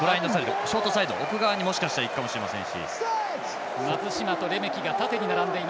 ショートサイド、奥側にもしかしたらいくかもしれません。